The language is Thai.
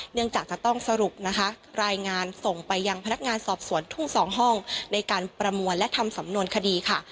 จากจะต้องสรุปนะคะรายงานส่งไปยังพนักงานสอบสวนทุ่งสองห้องในการประมวลและทำสำนวนคดีค่ะ